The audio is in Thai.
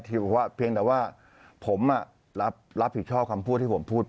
แค่ว่าเพียงแต่ว่าผมอ่ะรับรับผิดชอบคำพูดที่ผมพูด